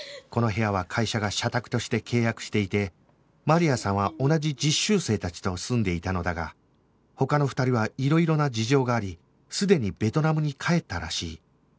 この部屋は会社が社宅として契約していてマリアさんは同じ実習生たちと住んでいたのだが他の２人はいろいろな事情がありすでにベトナムに帰ったらしい